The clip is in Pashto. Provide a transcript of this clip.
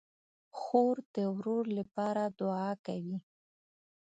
خور د ورور لپاره دعا کوي.